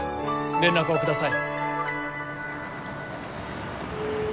連絡をください。